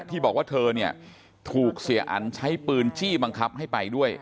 ที่บอกว่าเธอเนี่ยถูกเสียอันใช้ปืนจี้บังคับให้ไปด้วย